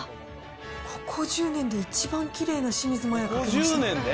ここ１０年で一番きれいな清水麻椰が書けました。